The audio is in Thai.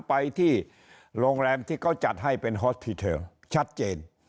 ไปที่โรงแรมที่เขาจัดให้เป็นฮอสพีเทลชัดเจน